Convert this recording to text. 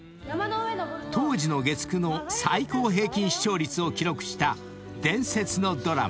［当時の月９の最高平均視聴率を記録した伝説のドラマ］